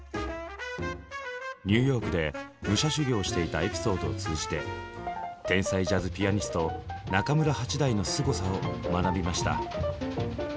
ニューヨークで武者修行をしていたエピソードを通じて天才ジャズピアニスト中村八大のすごさを学びました。